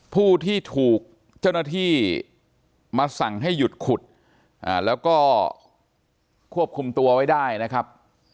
ผู้ที่ถูกเจ้าหน้าที่มาสั่งให้หยุดขุดแล้วก็ควบคุมตัวไว้ได้นะครับ